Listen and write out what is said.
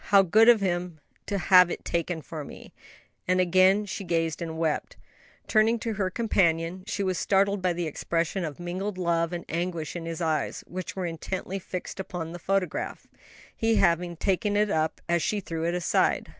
How good of him to hive it taken for me!" and again she gazed and wept. Turning to her companion she was startled by the expression of mingled love and anguish in his eyes, which were intently fixed upon the other photograph; he having taken it up as she threw it aside.